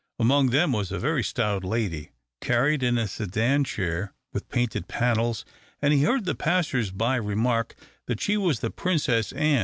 Among them was a very stout lady, carried in a sedan chair with painted panels, and he heard the passers by remark that she was the Princess Ann.